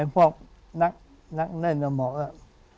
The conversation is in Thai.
พวกนักน่าจะบอกว่า